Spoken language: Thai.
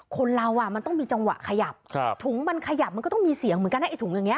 คนเรามันต้องมีจังหวะขยับถุงมันขยับมันก็ต้องมีเสียงเหมือนกันนะ